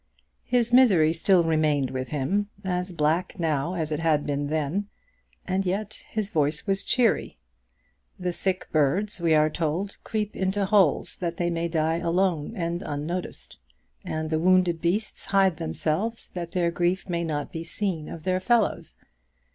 His misery still remained with him, as black now as it had been then; and yet his voice was cheery. The sick birds, we are told, creep into holes, that they may die alone and unnoticed; and the wounded beasts hide themselves that their grief may not be seen of their fellows.